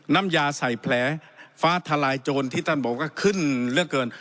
น้ำยาใส่แผลฟ้าทลายโจรที่ท่านบอกว่าขึ้นเลือกเกิน